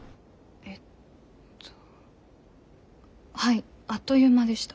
えっとはいあっという間でした。